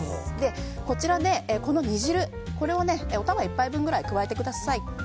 こちらで煮汁をおたま１杯分ぐらい加えてください。